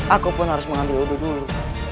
aku pun harus mengambil uduk dulu